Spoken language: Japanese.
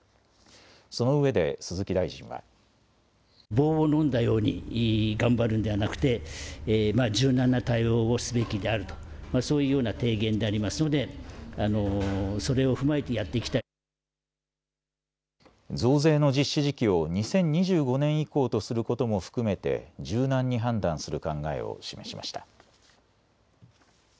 そのうえで鈴木大臣は。増税の実施時期を２０２５年以降とすることも含めて柔軟に判断する考えを示しました。